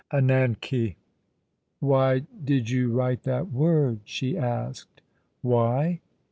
'ANAFKH. " Why did you write that word ?" she asked. " Why